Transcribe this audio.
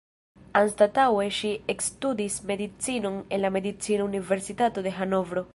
Anstataŭe ŝi ekstudis medicinon en la Medicina Universitato de Hanovro.